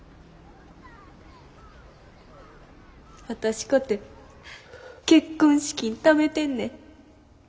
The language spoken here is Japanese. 私かて結婚資金ためてんねん。